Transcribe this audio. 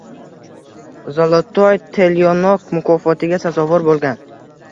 «Zolotoy telyonok» mukofotiga sazovor bo‘lgan